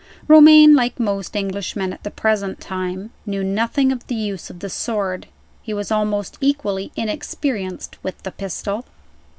Romayne, like most Englishmen at the present time, knew nothing of the use of the sword. He was almost equally inexperienced with the pistol.